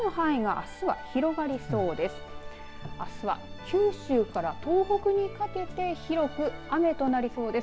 あすは九州から東北にかけて広く雨となりそうです。